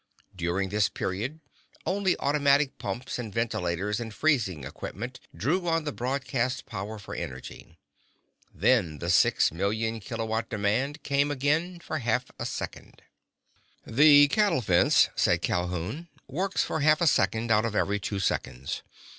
During this period only automatic pumps and ventilators and freezing equipment drew on the broadcast power for energy. Then the six million kilowatt demand came again for half a second. "The cattle fence," said Calhoun, "works for half a second out of every two seconds.